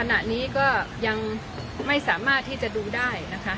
ขณะนี้ก็ยังไม่สามารถที่จะดูได้นะคะ